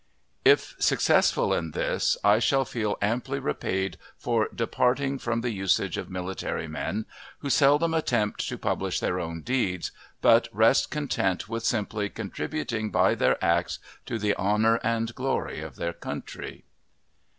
If successful in this, I shall feel amply repaid for departing from the usage of military men, who seldom attempt to publish their own deeds, but rest content with simply contributing by their acts to the honor and glory of their country.